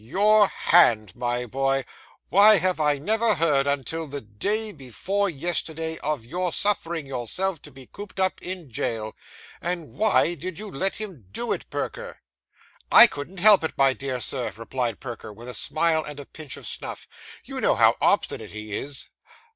'Your hand, my boy! Why have I never heard until the day before yesterday of your suffering yourself to be cooped up in jail? And why did you let him do it, Perker?' 'I couldn't help it, my dear Sir,' replied Perker, with a smile and a pinch of snuff; 'you know how obstinate he is?